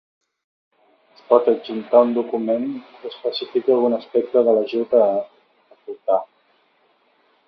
Es pot adjuntar un document que especifiqui algun aspecte de l'ajut a aportar.